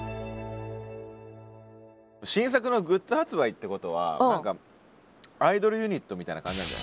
「新作のグッズ発売」ってことは何かアイドルユニットみたいな感じなんじゃないですか？